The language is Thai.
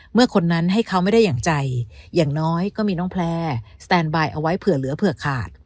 คนนั้นให้เขาไม่ได้อย่างใจอย่างน้อยก็มีน้องแพลร์สแตนบายเอาไว้เผื่อเหลือเผื่อขาด